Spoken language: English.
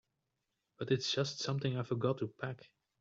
But it's just something I forgot to pack.